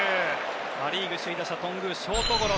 パ・リーグ首位打者頓宮、ショートゴロ。